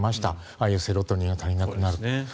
ああいうセロトニンが足りなくなると。